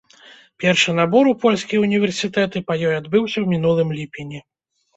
Першы набор у польскія ўніверсітэты па ёй адбыўся ў мінулым ліпені.